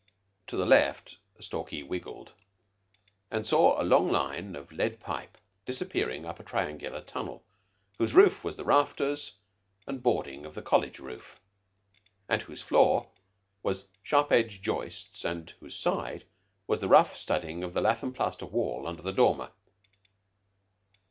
To the left Stalky wriggled, and saw a long line of lead pipe disappearing up a triangular tunnel, whose roof was the rafters and boarding of the college roof, whose floor was sharp edged joists, and whose side was the rough studding of the lath and plaster wall under the dormer.